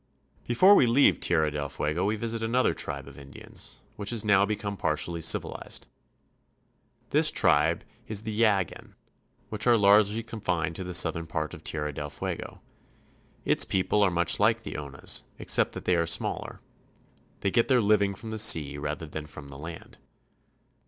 Before we leave Tierra del Fuego we visit another tribe of Indians, which has now become partially civilized. This tribe is the Yaghan (ya^gan), which is largely con fined to the southern part of Tierra del Fuego. Its peo ple are much like the Onas, except that they are smaller. They get their living from the sea rather than from the land.